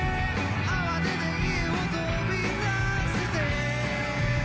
「慌てて家を飛び出して」